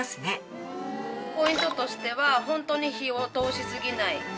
ポイントとしてはホントに火を通しすぎない。